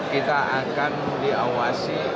kita akan diawasi